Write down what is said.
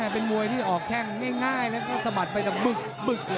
เป็นมวยที่ออกแข้งง่ายแล้วก็สะบัดไปแบบบึก